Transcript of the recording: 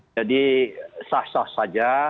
jadi sah sah saja